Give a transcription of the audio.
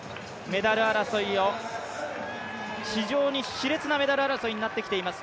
メダル争いを非常にしれつなメダル争いになってきています